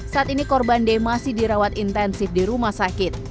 saat ini korban d masih dirawat intensif di rumah sakit